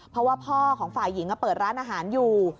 เพราะว่าพ่อของฝ่ายหญิงเปิดร้านอาหารอยู่